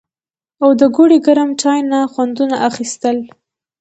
او د ګوړې ګرم چای نه خوندونه اخيستل